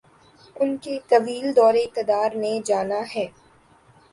ان کے طویل دور اقتدار نے جانا ہے۔